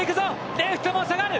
レフトも下がる。